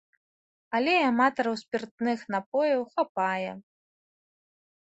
Але і аматараў спіртных напояў хапае.